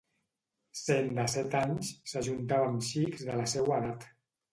Sent de set anys, s’ajuntava amb xics de la seua edat.